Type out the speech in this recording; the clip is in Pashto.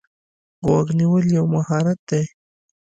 غوږ نیول یو مهارت دی.